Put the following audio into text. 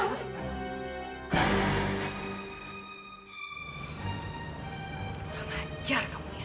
kurang ajar kamu ya